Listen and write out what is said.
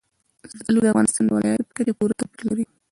زردالو د افغانستان د ولایاتو په کچه پوره توپیر لري.